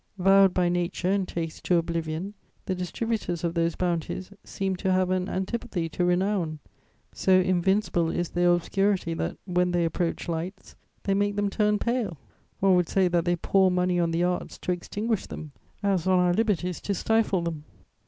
Vowed by nature and taste to oblivion, the distributors of those bounties seem to have an antipathy to renown; so invincible is their obscurity that, when they approach lights, they make them turn pale; one would say that they pour money on the arts to extinguish them, as on our liberties to stifle them...